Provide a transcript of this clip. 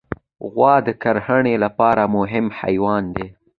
غوا د کرهڼې لپاره مهم حیوان دی.